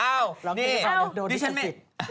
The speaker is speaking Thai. เอ้านี่